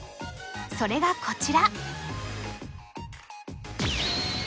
それがこちら。